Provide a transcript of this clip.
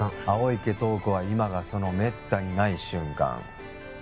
青池透子は今がそのめったにない瞬間